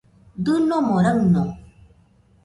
Dɨnomo raɨno